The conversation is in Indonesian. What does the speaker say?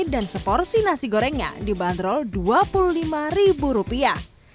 dan seporsi nasi gorengnya dibanderol dua puluh lima ribu rupiah